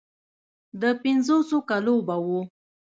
د پينځوسو کالو به و.